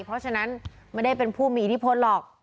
เพราะฉะนั้นไม่ได้เป็นผู้มีอิทธิพลหรอก